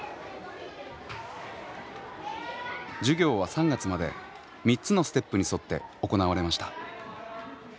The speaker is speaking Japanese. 授業は３月まで３つのステップに沿って行われました。